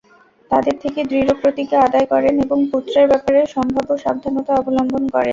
তাদের থেকে দৃঢ় প্রতিজ্ঞা আদায় করেন এবং পুত্রের ব্যাপারে সম্ভাব্য সাবধানতা অবলম্বন করেন।